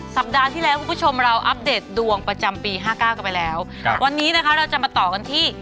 ทำให้มันเลยดูมีหลาดสีขึ้นมาบ้าง